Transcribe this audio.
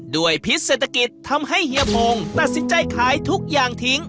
พิษเศรษฐกิจทำให้เฮียพงตัดสินใจขายทุกอย่างทิ้ง